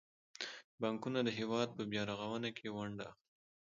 بانکونه د هیواد په بیارغونه کې ونډه اخلي.